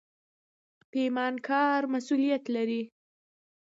پیمانکار مسوولیت لري